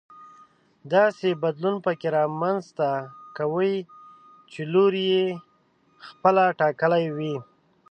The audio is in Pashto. داسې بدلون پکې رامنځته کوي چې لوری يې خپله ټاکلی وي.